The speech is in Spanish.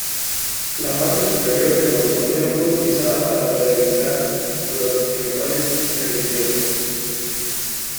La parte superior del mausoleo fue utilizada para realizar los rituales religiosos.